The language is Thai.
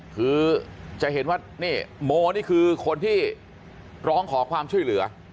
คือจะเห็นว่านี่โมนี่คือคนที่ร้องขอความช่วยเหลือ